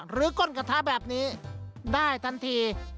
ก้นกระทะแบบนี้ได้ทันที